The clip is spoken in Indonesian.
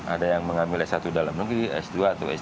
ada yang mengambil s satu dalam negeri s dua atau s